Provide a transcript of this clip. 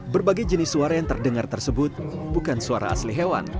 berbagai jenis suara yang terdengar tersebut bukan suara asli hewan